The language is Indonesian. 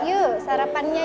yuk sarapannya yuk